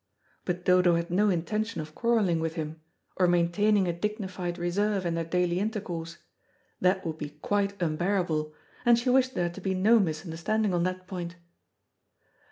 But Dodo had no intention of quarrelling with him, or maintaining a dignified reserve in their daily intercourse. That would be quite unbearable, and she wished there to be no misunderstanding on that point.